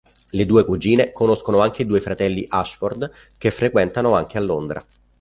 Le due cugine conoscono anche i due fratelli Ashford, che frequentano anche a Londra.